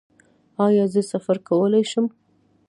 ایا زه سفر کولی شم؟